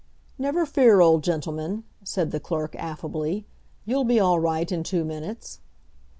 "Never fear, old gentleman," said the clerk, affably; "You'll be all right in two minutes."